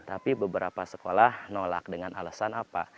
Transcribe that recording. tapi beberapa sekolah nolak dengan alasan apa